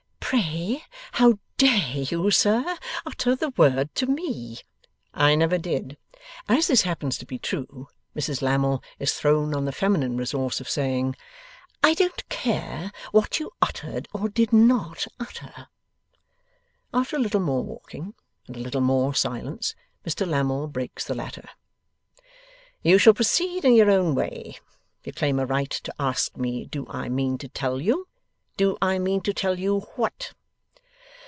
'Pray, how dare you, sir, utter the word to me?' 'I never did.' As this happens to be true, Mrs Lammle is thrown on the feminine resource of saying, 'I don't care what you uttered or did not utter.' After a little more walking and a little more silence, Mr Lammle breaks the latter. 'You shall proceed in your own way. You claim a right to ask me do I mean to tell you. Do I mean to tell you what?